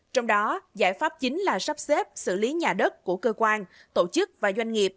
trong đó giải pháp chính là sắp xếp xử lý nhà đất của cơ quan tổ chức và doanh nghiệp